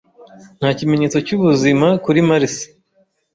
Nta kimenyetso cyubuzima kuri Mars.